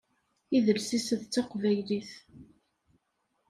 Idles-is d taqbaylit.